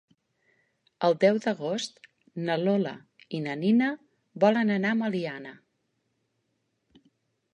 El deu d'agost na Lola i na Nina volen anar a Meliana.